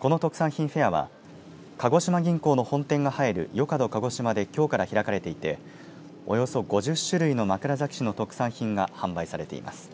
この特産品フェアは鹿児島銀行の本店が入るよかど鹿児島できょうから開かれていておよそ５０種類の枕崎市の特産品が販売されています。